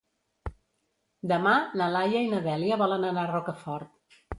Demà na Laia i na Dèlia volen anar a Rocafort.